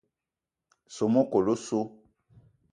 Soo mekol osso.